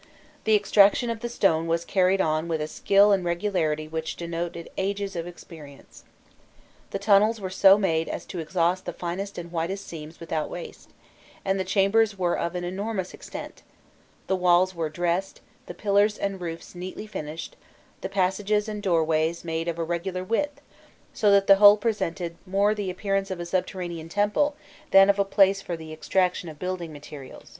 The extraction of the stone was carried on with a skill and regularity which denoted ages of experience. The tunnels were so made as to exhaust the finest and whitest seams without waste, and the chambers were of an enormous extent; the walls were dressed, the pillars and roofs neatly finished, the passages and doorways made of a regular width, so that the whole presented more the appearance of a subterranean temple than of a place for the extraction of building materials.